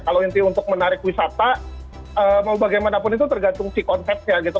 kalau inti untuk menarik wisata mau bagaimanapun itu tergantung si konsepnya gitu